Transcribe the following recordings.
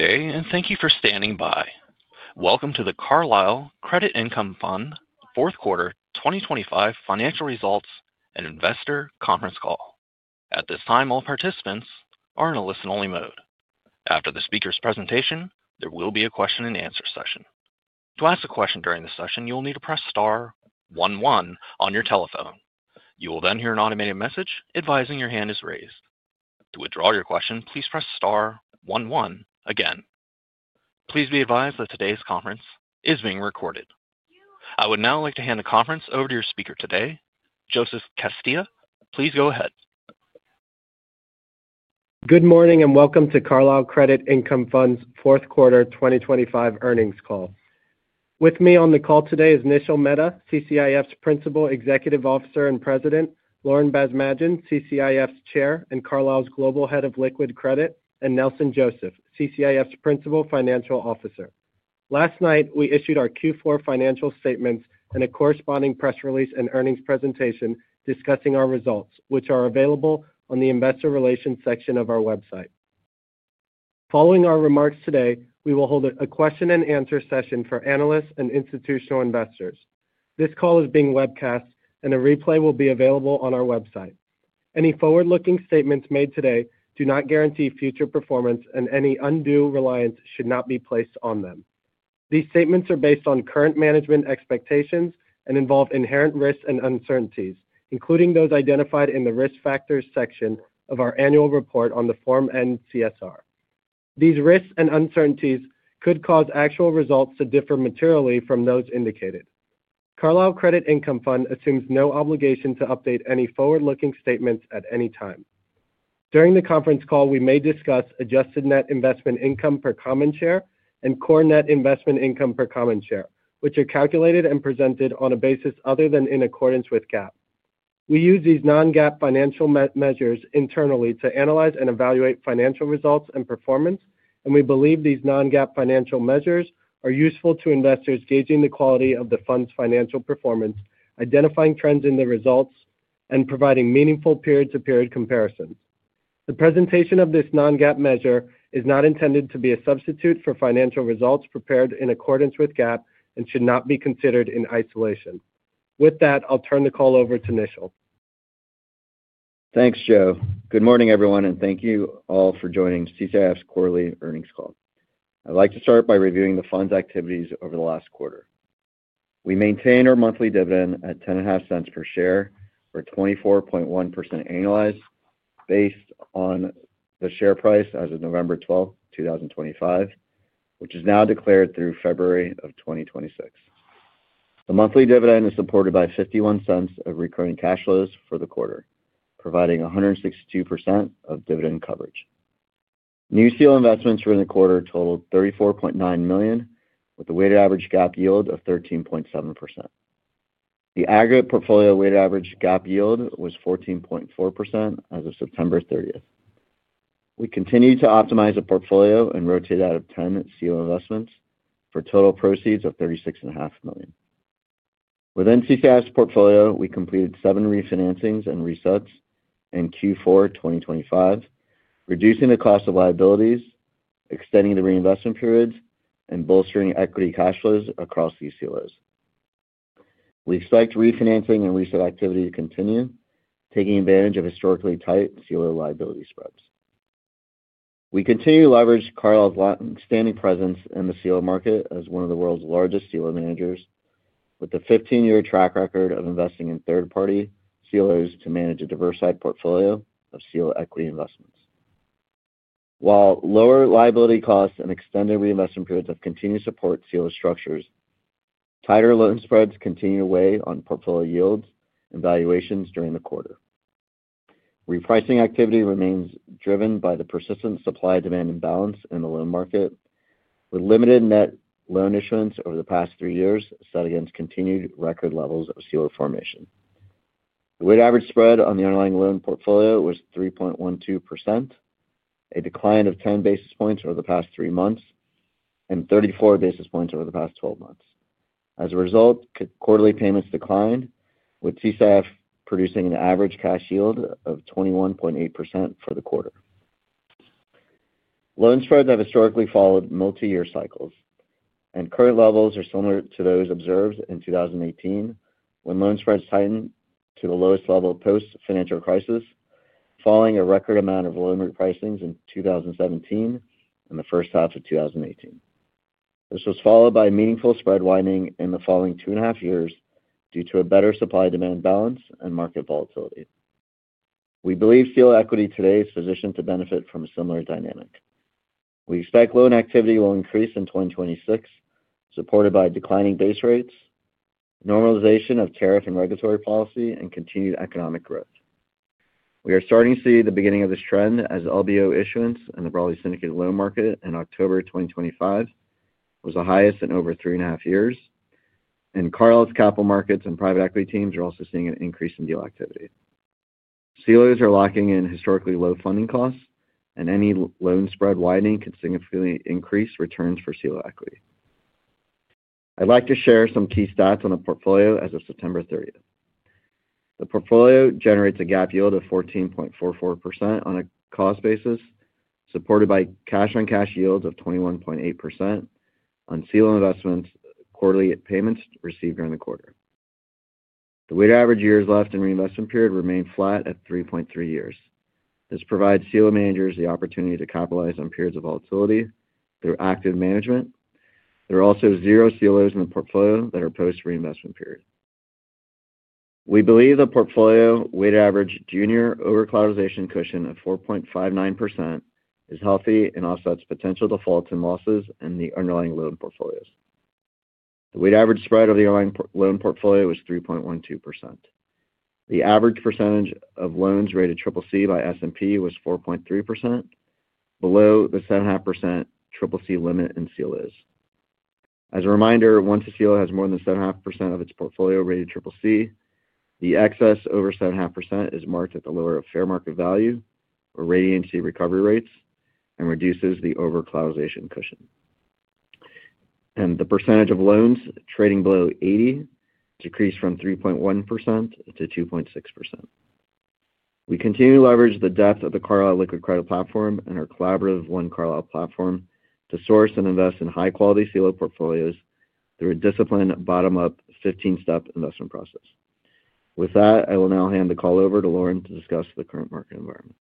Today, and thank you for standing by. Welcome to the Carlyle Credit Income Fund Fourth Quarter 2025 Financial Results and Investor Conference Call. At this time, all participants are in a listen-only mode. After the speaker's presentation, there will be a question-and-answer session. To ask a question during the session, you'll need to press star 11 on your telephone. You will then hear an automated message advising your hand is raised. To withdraw your question, please press star 11 again. Please be advised that today's conference is being recorded. I would now like to hand the conference over to your speaker today, Joseph Castilla. Please go ahead. Good morning and welcome to Carlyle Credit Income Fund's Fourth Quarter 2025 Earnings Call. With me on the call today is Nishil Mehta, CCIF's Principal Executive Officer and President; Lauren Basmadjian, CCIF's Chair and Carlyle's Global Head of Liquid Credit; and Nelson Joseph, CCIF's Principal Financial Officer. Last night, we issued our Q4 financial statements and a corresponding press release and earnings presentation discussing our results, which are available on the Investor Relations section of our website. Following our remarks today, we will hold a question-and-answer session for analysts and institutional investors. This call is being webcast, and a replay will be available on our website. Any forward-looking statements made today do not guarantee future performance, and any undue reliance should not be placed on them. These statements are based on current management expectations and involve inherent risks and uncertainties, including those identified in the risk factors section of our annual report on the Form NCSR. These risks and uncertainties could cause actual results to differ materially from those indicated. Carlyle Credit Income Fund assumes no obligation to update any forward-looking statements at any time. During the conference call, we may discuss adjusted net investment income per common share and core net investment income per common share, which are calculated and presented on a basis other than in accordance with GAAP. We use these non-GAAP financial measures internally to analyze and evaluate financial results and performance, and we believe these non-GAAP financial measures are useful to investors gauging the quality of the fund's financial performance, identifying trends in the results, and providing meaningful period-to-period comparisons. The presentation of this non-GAAP measure is not intended to be a substitute for financial results prepared in accordance with GAAP and should not be considered in isolation. With that, I'll turn the call over to Nishil. Thanks, Joe. Good morning, everyone, and thank you all for joining CCIF's Quarterly Earnings Call. I'd like to start by reviewing the fund's activities over the last quarter. We maintain our monthly dividend at 10.5 cents per share or 24.1% annualized, based on the share price as of November 12, 2025, which is now declared through February of 2026. The monthly dividend is supported by 51 cents of recurring cash flows for the quarter, providing 162% of dividend coverage. Nishil investments for the quarter totaled 34.9 million, with a weighted average GAAP yield of 13.7%. The aggregate portfolio weighted average GAAP yield was 14.4% as of September 30. We continue to optimize the portfolio and rotate out of 10 Nishil investments for a total proceeds of 36.5 million. Within CCIF's portfolio, we completed seven refinancings and resets in Q4 2025, reducing the cost of liabilities, extending the reinvestment periods, and bolstering equity cash flows across these CLOs. We expect refinancing and reset activity to continue, taking advantage of historically tight CLO liability spreads. We continue to leverage Carlyle's longstanding presence in the CLO market as one of the world's largest CLO managers, with a 15-year track record of investing in third-party CLOs to manage a diversified portfolio of CLO equity investments. While lower liability costs and extended reinvestment periods have continued to support CLO structures, tighter loan spreads continue to weigh on portfolio yields and valuations during the quarter. Repricing activity remains driven by the persistent supply-demand imbalance in the loan market, with limited net loan issuance over the past three years set against continued record levels of CLO formation. The weighted average spread on the underlying loan portfolio was 3.12%, a decline of 10 basis points over the past three months and 34 basis points over the past 12 months. As a result, quarterly payments declined, with CCIF producing an average cash yield of 21.8% for the quarter. Loan spreads have historically followed multi-year cycles, and current levels are similar to those observed in 2018, when loan spreads tightened to the lowest level post-financial crisis, following a record amount of loan repricings in 2017 and the first half of 2018. This was followed by meaningful spread widening in the following two and a half years due to a better supply-demand balance and market volatility. We believe CLO equity today is positioned to benefit from a similar dynamic. We expect loan activity will increase in 2026, supported by declining base rates, normalization of tariff and regulatory policy, and continued economic growth. We are starting to see the beginning of this trend as LBO issuance in the broadly syndicated loan market in October 2025 was the highest in over three and a half years, and Carlyle's capital markets and private equity teams are also seeing an increase in deal activity. CLOs are locking in historically low funding costs, and any loan spread widening could significantly increase returns for CLO equity. I'd like to share some key stats on the portfolio as of September 30. The portfolio generates a GAAP yield of 14.44% on a cost basis, supported by cash-on-cash yields of 21.8% on CLO investments' quarterly payments received during the quarter. The weighted average years left in reinvestment period remained flat at 3.3 years. This provides CLO managers the opportunity to capitalize on periods of volatility through active management. There are also zero CLOs in the portfolio that are post-reinvestment period. We believe the portfolio weighted average junior over-cloudization cushion of 4.59% is healthy and offsets potential defaults and losses in the underlying loan portfolios. The weighted average spread of the underlying loan portfolio was 3.12%. The average percentage of loans rated CCC by S&P was 4.3%, below the 7.5% CCC limit in CLOs. As a reminder, once a CLO has more than 7.5% of its portfolio rated CCC, the excess over 7.5% is marked at the lower of fair market value or rating to recovery rates and reduces the over-cloudization cushion. And the percentage of loans trading below 80 decreased from 3.1% to 2.6%. We continue to leverage the depth of the Carlyle Liquid Credit platform and our collaborative One Carlyle platform to source and invest in high-quality CLO portfolios through a disciplined bottom-up 15-step investment process. With that, I will now hand the call over to Lauren to discuss the current market environment.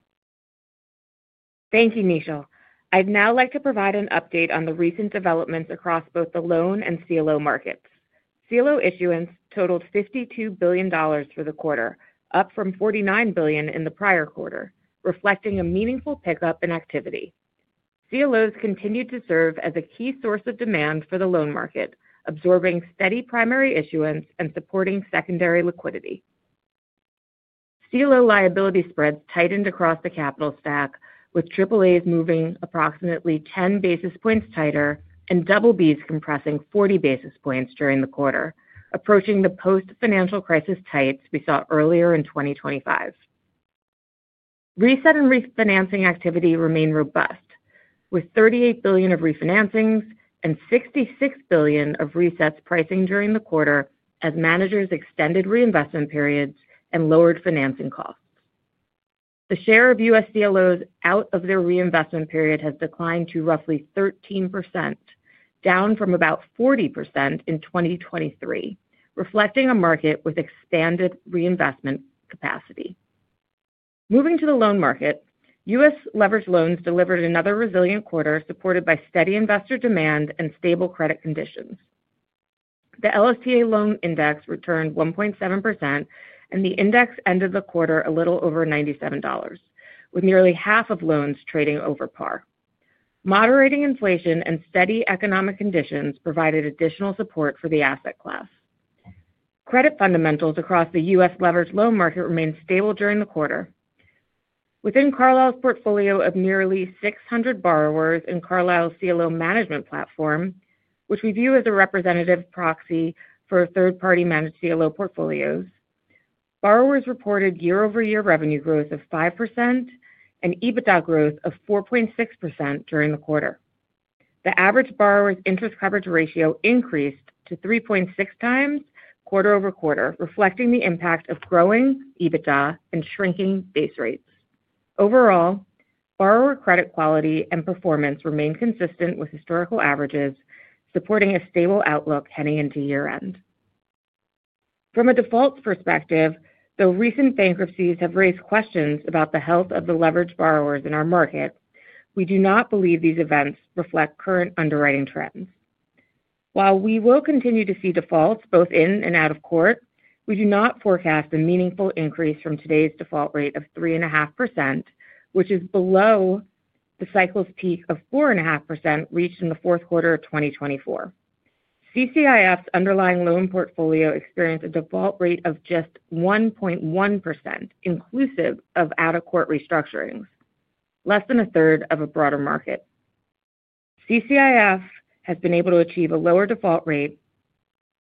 Thank you, Nishil. I'd now like to provide an update on the recent developments across both the loan and CLO markets. CLO issuance totaled $52 billion for the quarter, up from $49 billion in the prior quarter, reflecting a meaningful pickup in activity. CLOs continue to serve as a key source of demand for the loan market, absorbing steady primary issuance and supporting secondary liquidity. CLO liability spreads tightened across the capital stack, with AAAs moving approximately 10 basis points tighter and BBs compressing 40 basis points during the quarter, approaching the post-financial crisis tights we saw earlier in 2025. Reset and refinancing activity remained robust, with 38 billion of refinancings and 66 billion of resets pricing during the quarter as managers extended reinvestment periods and lowered financing costs. The share of U.S. CLOs out of their reinvestment period has declined to roughly 13%, down from about 40% in 2023, reflecting a market with expanded reinvestment capacity. Moving to the loan market, U.S. leveraged loans delivered another resilient quarter supported by steady investor demand and stable credit conditions. The LSTA loan index returned 1.7%, and the index ended the quarter a little over $97, with nearly half of loans trading over par. Moderating inflation and steady economic conditions provided additional support for the asset class. Credit fundamentals across the US leveraged loan market remained stable during the quarter. Within Carlyle's portfolio of nearly 600 borrowers in Carlyle's CLO management platform, which we view as a representative proxy for third-party managed CLO portfolios, borrowers reported year-over-year revenue growth of 5% and EBITDA growth of 4.6% during the quarter. The average borrower's interest coverage ratio increased to 3.6 times quarter over quarter, reflecting the impact of growing EBITDA and shrinking base rates. Overall, borrower credit quality and performance remained consistent with historical averages, supporting a stable outlook heading into year-end. From a default perspective, though recent bankruptcies have raised questions about the health of the leveraged borrowers in our market, we do not believe these events reflect current underwriting trends. While we will continue to see defaults both in and out of court, we do not forecast a meaningful increase from today's default rate of 3.5%, which is below the cycle's peak of 4.5% reached in the fourth quarter of 2024. CCIF's underlying loan portfolio experienced a default rate of just 1.1%, inclusive of out-of-court restructurings, less than a third of a broader market. CCIF has been able to achieve a lower default rate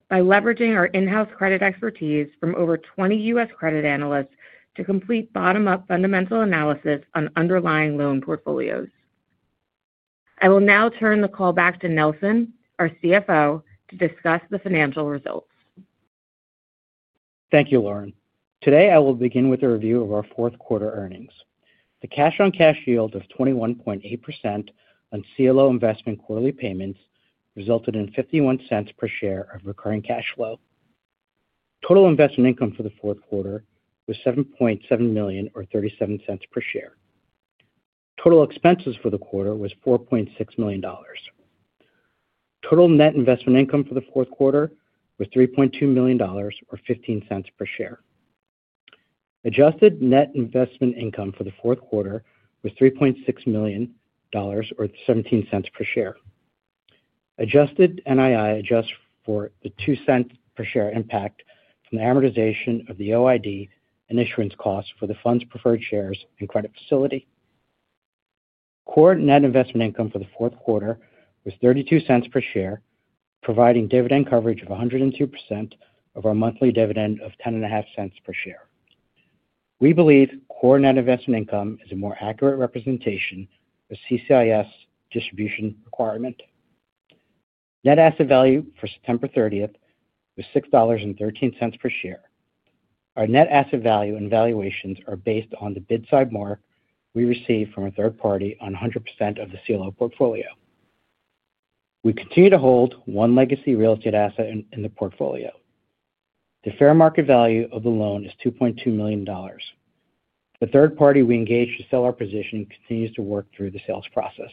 by leveraging our in-house credit expertise from over 20 U.S. credit analysts to complete bottom-up fundamental analysis on underlying loan portfolios. I will now turn the call back to Nelson, our CFO, to discuss the financial results. Thank you, Lauren. Today, I will begin with a review of our fourth quarter earnings. The cash-on-cash yield of 21.8% on CLO investment quarterly payments resulted in 51 cents per share of recurring cash flow. Total investment income for the fourth quarter was 7.7 million or 37 cents per share. Total expenses for the quarter was $4.6 million. Total net investment income for the fourth quarter was $3.2 million or 15 cents per share. Adjusted net investment income for the fourth quarter was $3.6 million or 17 cents per share. Adjusted NII adjusts for the 2 cents per share impact from the amortization of the OID and issuance costs for the fund's preferred shares and credit facility. Core net investment income for the fourth quarter was 32 cents per share, providing dividend coverage of 102% of our monthly dividend of 10.5 cents per share. We believe core net investment income is a more accurate representation of CCIF's distribution requirement. Net asset value for September 30 was $6.13 per share. Our net asset value and valuations are based on the bid-side mark we received from a third party on 100% of the CLO portfolio. We continue to hold one legacy real estate asset in the portfolio. The fair market value of the loan is $2.2 million. The third party we engaged to sell our position continues to work through the sales process.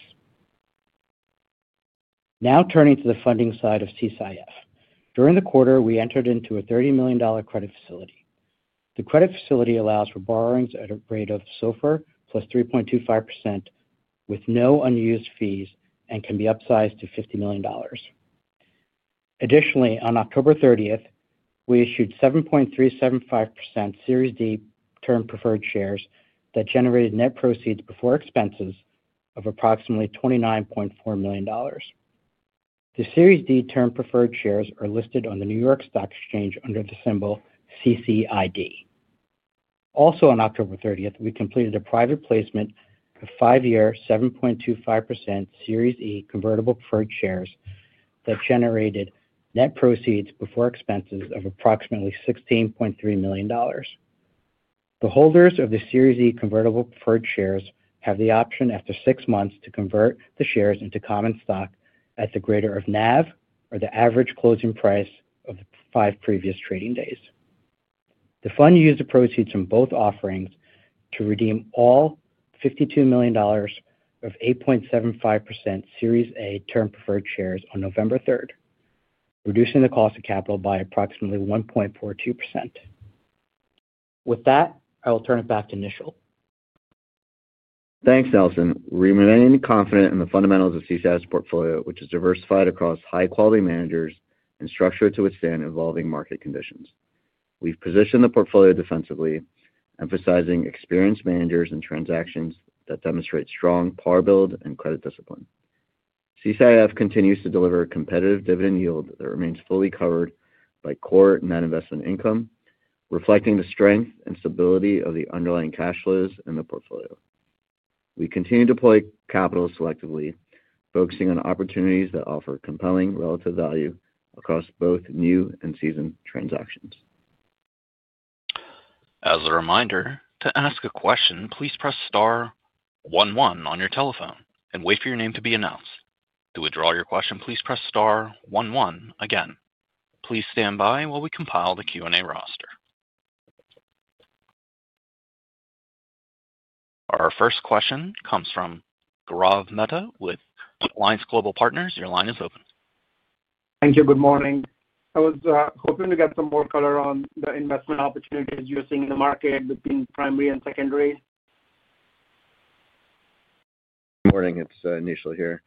Now turning to the funding side of CCIF. During the quarter, we entered into a $30 million credit facility. The credit facility allows for borrowings at a rate of SOFR plus 3.25% with no unused fees and can be upsized to $50 million. Additionally, on October 30, we issued 7.375% Series D term preferred shares that generated net proceeds before expenses of approximately $29.4 million. The Series D term preferred shares are listed on the New York Stock Exchange under the symbol CCID. Also, on October 30, we completed a private placement of five-year 7.25% Series E convertible preferred shares that generated net proceeds before expenses of approximately $16.3 million. The holders of the Series E convertible preferred shares have the option after six months to convert the shares into common stock at the greater of NAV or the average closing price of the five previous trading days. The fund used the proceeds from both offerings to redeem all $52 million of 8.75% Series A term preferred shares on November 3, reducing the cost of capital by approximately 1.42%. With that, I will turn it back to Nishil. Thanks, Nelson. We remain confident in the fundamentals of CCIF's portfolio, which is diversified across high-quality managers and structured to withstand evolving market conditions. We've positioned the portfolio defensively, emphasizing experienced managers and transactions that demonstrate strong power build and credit discipline. CCIF continues to deliver a competitive dividend yield that remains fully covered by core net investment income, reflecting the strength and stability of the underlying cash flows in the portfolio. We continue to deploy capital selectively, focusing on opportunities that offer compelling relative value across both new and seasoned transactions. As a reminder, to ask a question, please press star 11 on your telephone and wait for your name to be announced. To withdraw your question, please press star 11 again. Please stand by while we compile the Q&A roster. Our first question comes from Gaurav Mehta with Alliance Global Partners. Your line is open. Thank you. Good morning. I was hoping to get some more color on the investment opportunities you're seeing in the market between primary and secondary. Good morning. It's Nishil here.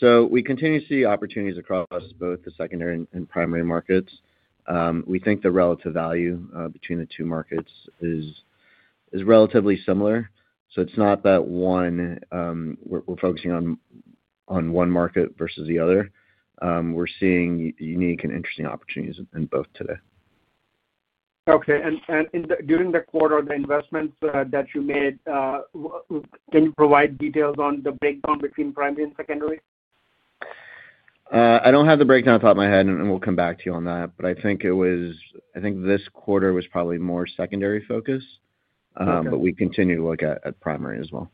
So we continue to see opportunities across both the secondary and primary markets. We think the relative value between the two markets is relatively similar. So it's not that one we're focusing on one market versus the other. We're seeing unique and interesting opportunities in both today. Okay. And during the quarter, the investments that you made, can you provide details on the breakdown between primary and secondary? I don't have the breakdown at the top of my head, and we'll come back to you on that. But I think this quarter was probably more secondary focused, but we continue to look at primary as well.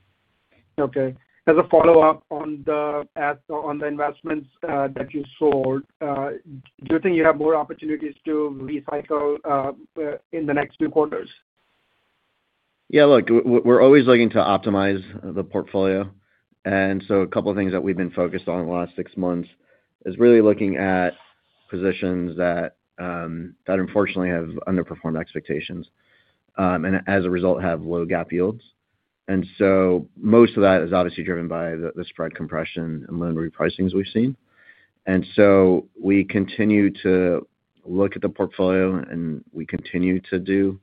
Okay. As a follow-up on the investments that you sold, do you think you have more opportunities to recycle in the next few quarters? Yeah. Look, we're always looking to optimize the portfolio. And so a couple of things that we've been focused on in the last six months is really looking at positions that, unfortunately, have underperformed expectations and, as a result, have low gap yields. And so most of that is obviously driven by the spread compression and loan repricings we've seen. And so we continue to look at the portfolio, and we continue to do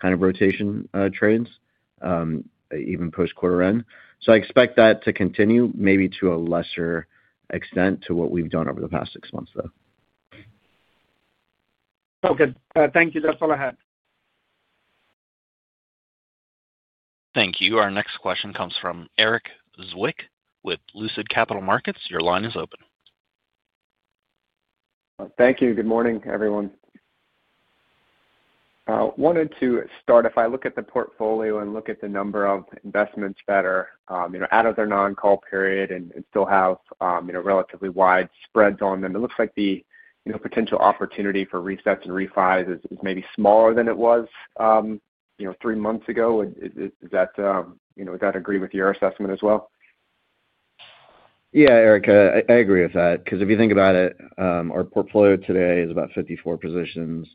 kind of rotation trades even post-quarter end. So I expect that to continue maybe to a lesser extent to what we've done over the past six months, though. Okay. Thank you. That's all I had. Thank you. Our next question comes from Eric Zwick with Lucid Capital Markets. Your line is open. Thank you. Good morning, everyone. I wanted to start, if I look at the portfolio and look at the number of investments that are out of their non-call period and still have relatively wide spreads on them, it looks like the potential opportunity for resets and refis is maybe smaller than it was three months ago. Would that agree with your assessment as well? Yeah, Eric, I agree with that. Because if you think about it, our portfolio today is about 54 positions.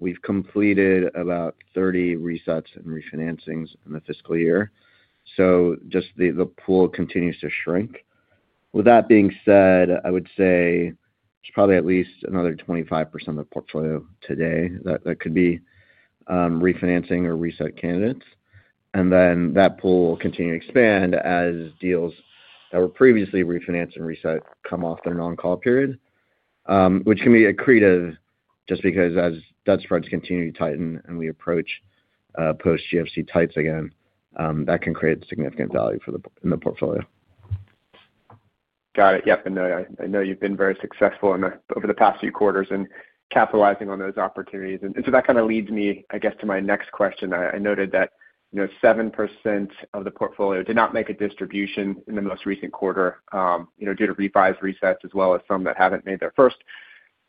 We've completed about 30 resets and refinancings in the fiscal year. So just the pool continues to shrink. With that being said, I would say there's probably at least another 25% of the portfolio today that could be refinancing or reset candidates. And then that pool will continue to expand as deals that were previously refinanced and reset come off their non-call period, which can be accretive just because as debt spreads continue to tighten and we approach post-GFC tights again, that can create significant value in the portfolio. Got it. Yep. And I know you've been very successful over the past few quarters in capitalizing on those opportunities. And so that kind of leads me, I guess, to my next question. I noted that 7% of the portfolio did not make a distribution in the most recent quarter due to refis, resets, as well as some that haven't made their first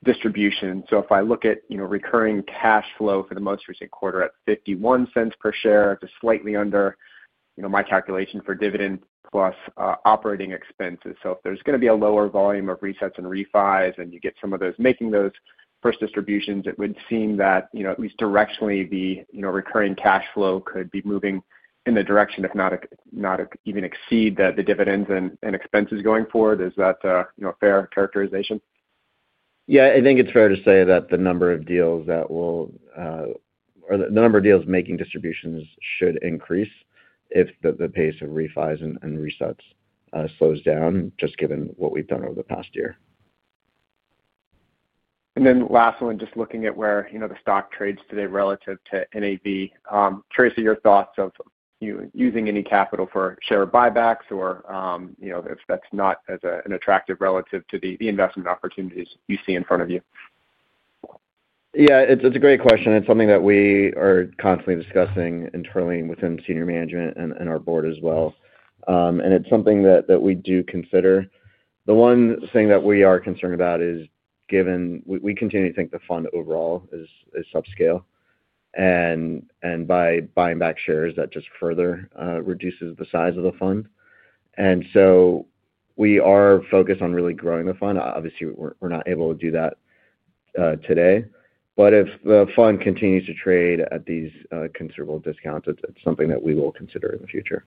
distribution. So if I look at recurring cash flow for the most recent quarter at 51 cents per share, it's slightly under my calculation for dividend plus operating expenses. So if there's going to be a lower volume of resets and refis and you get some of those making those first distributions, it would seem that at least directionally, the recurring cash flow could be moving in the direction, if not even exceed the dividends and expenses going forward. Is that a fair characterization? Yeah. I think it's fair to say that the number of deals that will or the number of deals making distributions should increase if the pace of refis and resets slows down, just given what we've done over the past year. And then lastly, just looking at where the stock trades today relative to NAV, curious of your thoughts of using any capital for share buybacks or if that's not as an attractive relative to the investment opportunities you see in front of you. Yeah. It's a great question. It's something that we are constantly discussing internally within senior management and our board as well. And it's something that we do consider. The one thing that we are concerned about is given we continue to think the fund overall is subscale. And by buying back shares, that just further reduces the size of the fund. And so we are focused on really growing the fund. Obviously, we're not able to do that today. But if the fund continues to trade at these considerable discounts, it's something that we will consider in the future.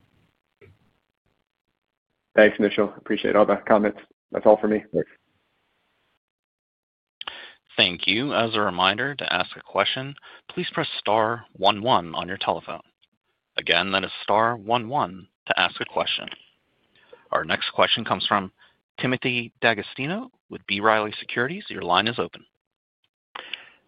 Thanks, Nishil. Appreciate all the comments. That's all for me. Thank you. Thank you. As a reminder to ask a question, please press star 11 on your telephone. Again, that is star 11 to ask a question. Our next question comes from Timothy D'Agostino with B Riley Securities. Your line is open.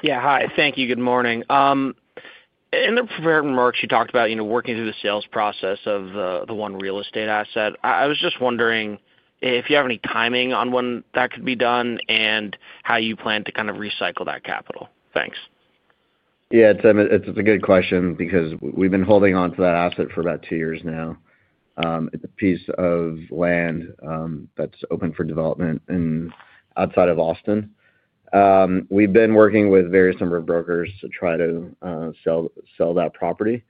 Yeah. Hi. Thank you. Good morning. In the prepared remarks, you talked about working through the sales process of the one real estate asset. I was just wondering if you have any timing on when that could be done and how you plan to kind of recycle that capital. Thanks. Yeah. It's a good question because we've been holding on to that asset for about two years now. It's a piece of land that's open for development outside of Austin. We've been working with various number of brokers to try to sell that property.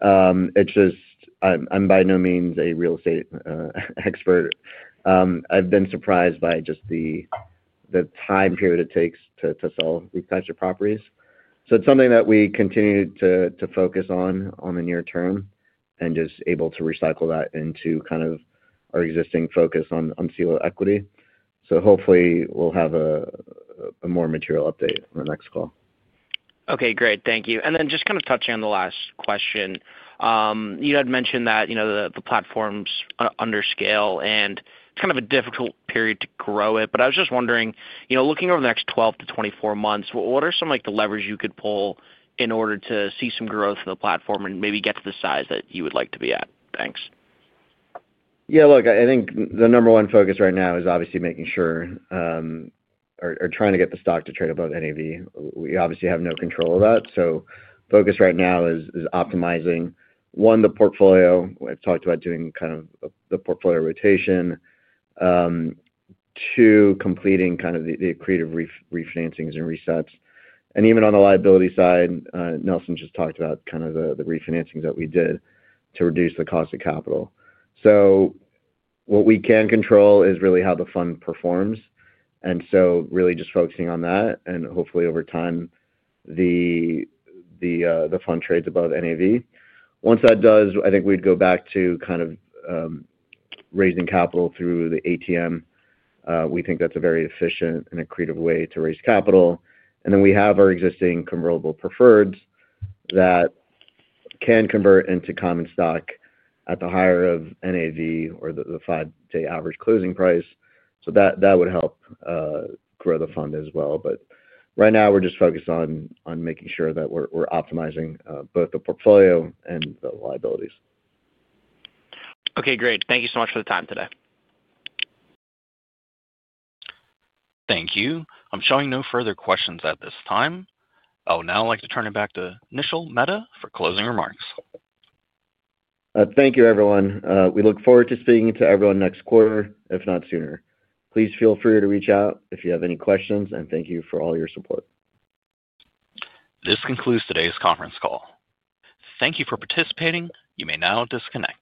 It's just I'm by no means a real estate expert. I've been surprised by just the time period it takes to sell these types of properties. So it's something that we continue to focus on in the near term and just able to recycle that into kind of our existing focus on CLO equity. So hopefully, we'll have a more material update on the next call. Okay. Great. Thank you. And then just kind of touching on the last question, you had mentioned that the platform's underscale and it's kind of a difficult period to grow it. But I was just wondering, looking over the next 12 to 24 months, what are some of the levers you could pull in order to see some growth of the platform and maybe get to the size that you would like to be at? Thanks. Yeah. Look, I think the number one focus right now is obviously making sure or trying to get the stock to trade above NAV. We obviously have no control of that. So focus right now is optimizing, one, the portfolio. I've talked about doing kind of the portfolio rotation, two, completing kind of the accretive refinancings and resets. And even on the liability side, Nelson just talked about kind of the refinancings that we did to reduce the cost of capital. So what we can control is really how the fund performs. And so really just focusing on that. And hopefully, over time, the fund trades above NAV. Once that does, I think we'd go back to kind of raising capital through the ATM. We think that's a very efficient and accretive way to raise capital. And then we have our existing convertible preferreds that can convert into common stock at the higher of NAV or the five-day average closing price. So that would help grow the fund as well. But right now, we're just focused on making sure that we're optimizing both the portfolio and the liabilities. Okay. Great. Thank you so much for the time today. Thank you. I'm showing no further questions at this time. I would now like to turn it back to Nishil Mehta for closing remarks. Thank you, everyone. We look forward to speaking to everyone next quarter, if not sooner. Please feel free to reach out if you have any questions. And thank you for all your support. This concludes today's conference call. Thank you for participating. You may now disconnect.